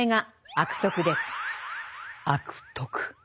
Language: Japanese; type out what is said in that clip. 「悪徳」。